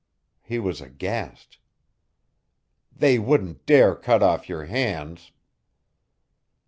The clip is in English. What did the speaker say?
He was aghast. "They wouldn't dare cut off your hands!"